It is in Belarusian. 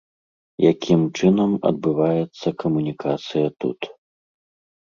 Якім чынам адбываецца камунікацыя тут.